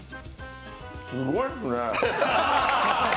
すごいですね！